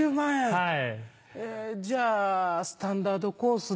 えじゃあスタンダードコースで。